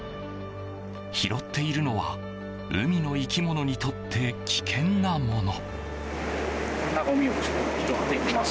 拾っているのは海の生き物にとって危険なもの。